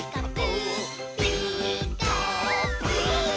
「ピーカーブ！」